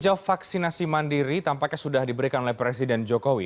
sejauh vaksinasi mandiri tampaknya sudah diberikan oleh presiden jokowi